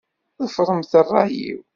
Ḍefṛemt ṛṛay-iw.